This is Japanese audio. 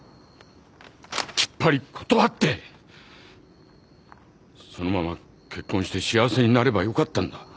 きっぱり断ってそのまま結婚して幸せになればよかったんだ。